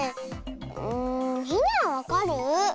うんみんなはわかる？